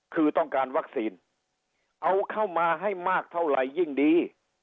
คือต้องการวัคซีนเอาเข้ามาให้มากเท่าไหร่ยิ่งดี